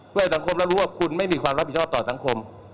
เพื่อให้สังคมแล้วรู้ว่าคุณไม่มีความรับผิดชอบต่อสังคม